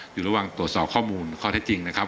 อยู่ระหว่างตรวจสอบข้อมูลข้อเท็จจริงนะครับ